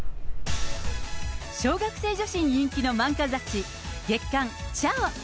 小学生女子に人気の漫画雑誌、月刊ちゃお。